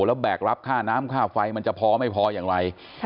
แล้วแบกรับค่าน้ำค่าไฟมันจะพอไม่พออย่างไร